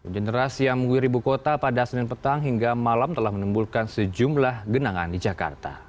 generasi yang mengguyur ibu kota pada senin petang hingga malam telah menimbulkan sejumlah genangan di jakarta